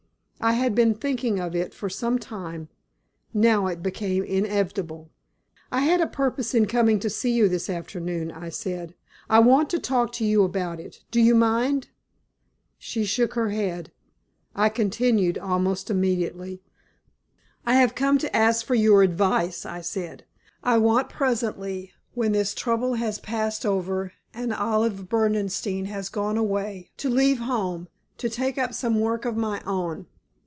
I had been thinking of it for some time, now it became inevitable. "I had a purpose in coming to see you this afternoon," I said. "I want to talk to you about it. Do you mind?" She shook her head. I continued almost immediately. "I have come to ask for your advice," I said. "I want presently, when this trouble has passed over and Olive Berdenstein has gone away, to leave home, to take up some work of my own.